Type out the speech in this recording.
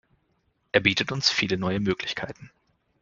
Er bietet uns viele neue Möglichkeiten!